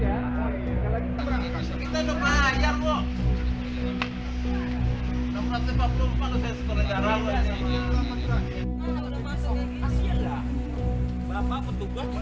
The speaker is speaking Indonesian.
ya kalau besok gak majek kalau majek